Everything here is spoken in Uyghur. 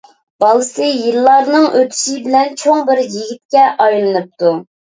بالىسى يىللارنىڭ ئۆتۈشى بىلەن چوڭ بىر يىگىتكە ئايلىنىپتۇ.